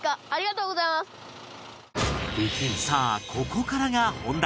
さあここからが本題